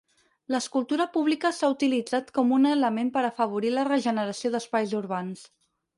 L'escultura pública s'ha utilitzat com un element per afavorir la regeneració d'espais urbans.